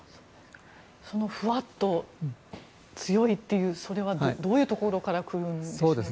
そのフワッと強いというそれはどういうところから来るんでしょうか。